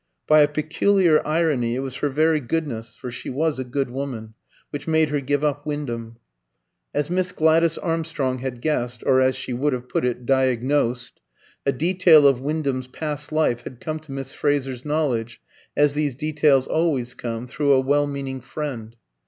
By a peculiar irony it was her very goodness for she was a good woman which made her give up Wyndham. As Miss Gladys Armstrong had guessed (or as she would have put it, diagnosed), a detail of Wyndham's past life had come to Miss Fraser's knowledge, as these details always come, through a well meaning friend.